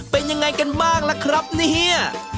เป็นยังไงกันบ้างล่ะครับเนี่ย